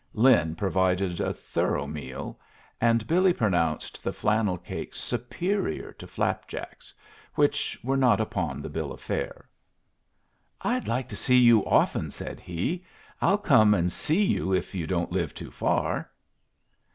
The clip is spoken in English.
Lin provided a thorough meal, and Billy pronounced the flannel cakes superior to flapjacks, which were not upon the bill of fare. "I'd like to see you often," said he. "I'll come and see you if you don't live too far."